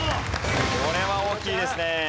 これは大きいですね。